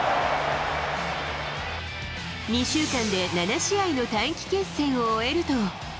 ２週間で７試合の短期決戦を終えると。